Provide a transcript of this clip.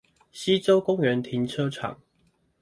溪洲公園停車場